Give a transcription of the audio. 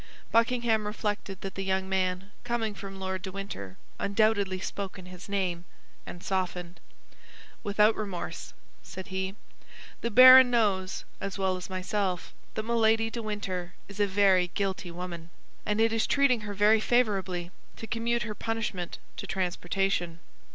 Buckingham reflected that the young man, coming from Lord de Winter, undoubtedly spoke in his name, and softened. "Without remorse," said he. "The baron knows, as well as myself, that Milady de Winter is a very guilty woman, and it is treating her very favorably to commute her punishment to transportation."